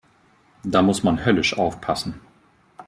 Da muss man höllisch aufpassen.